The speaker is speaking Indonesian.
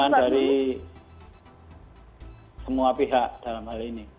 pandangan dari semua pihak dalam hal ini